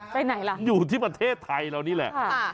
ไปไหนล่ะอยู่ที่ประเทศไทยเรานี่แหละ